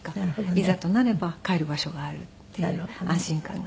いざとなれば帰る場所があるっていう安心感があります。